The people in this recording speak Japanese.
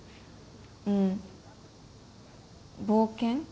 うん冒険？